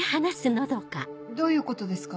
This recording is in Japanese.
どういうことですか？